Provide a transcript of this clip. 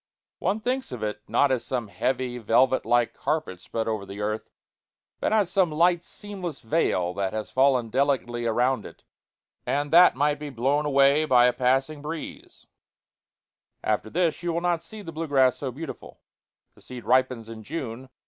One thinks of it, not as some heavy, velvet like carpet spread over the earth, but as some light, seamless veil that has fallen delicately around it, and that might be blown away by a passing breeze. [Illustration: BLUE GRASS.] After this you will not see the blue grass so beautiful. The seed ripens in June.